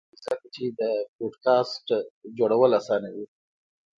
عصري تعلیم مهم دی ځکه چې د پوډکاسټ جوړولو اسانوي.